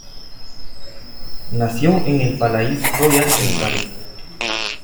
Nació en el Palais Royal en París.